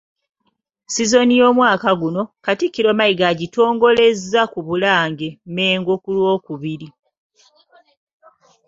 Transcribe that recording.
Sizoni y’omwaka guno, Katikkiro Mayiga yagitongolezza mu Bulange – Mmengo ku Lwokubiri.